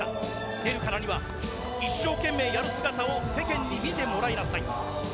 出るからには一生懸命やる姿を世間に見てもらいなさい。